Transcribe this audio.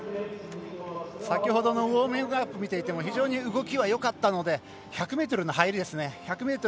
先ほどのウォーミングアップを見ていても非常に動きはよかったので１００ｍの入りですね。